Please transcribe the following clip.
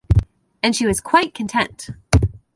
And she was quite content.